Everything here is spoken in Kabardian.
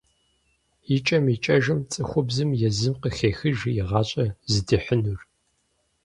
Икӏэм-икӏэжым цӏыхубзым езым къыхехыж и гъащӏэр зыдихьынур.